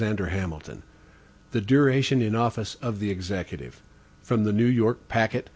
FEDERALIST No. 71 The Duration in Office of the Executive From the New York Packet.